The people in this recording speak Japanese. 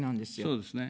そうですね。